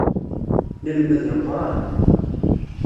Nelmed Leqran.